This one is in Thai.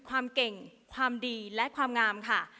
ความเก่งความดีและความงามค่ะ